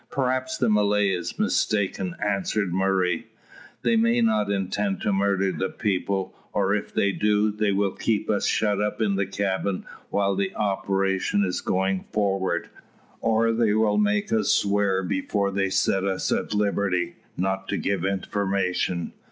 "Perhaps the Malay is mistaken," answered Murray. "They may not intend to murder the people; or if they do, they will keep us shut up in the cabin while the operation is going forward, or they will make us swear before they set us at liberty not to give information.